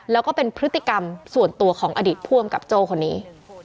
แล้วก็เป็นพฤติกรรมส่วนตัวของอดีตผู้อำกับโจ้คนนี้